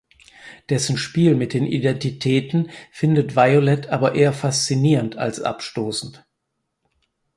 Dessen Spiel mit den Identitäten findet Violet aber eher faszinierend als abstoßend.